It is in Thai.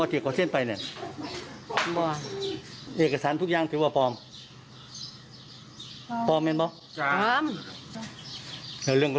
แล้วเรื่องกับทุกบรรณน่ะ